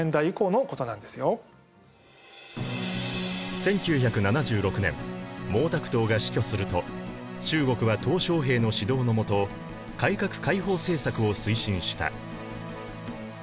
１９７６年毛沢東が死去すると中国は小平の指導の下改革開放政策を推進した。